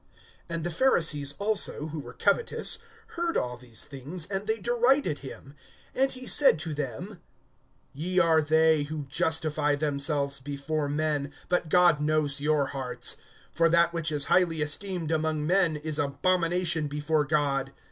(14)And the Pharisees also; who were covetous, heard all these things; and they derided him. (15)And he said to them: Ye are they who justify themselves before men; but God knows your hearts; for that which is highly esteemed among men is abomination before God.